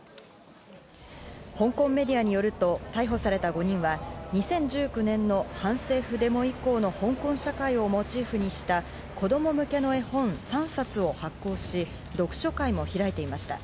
香港メディアによると、逮捕された５人は２０１９年の反政府デモ以降の香港社会をモチーフにした子供向けの絵本３冊を発行し、読書会も開いていました。